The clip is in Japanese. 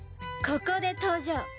ここで登場